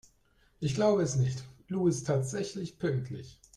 Ich glaube es nicht, Lou ist tatsächlich pünktlich!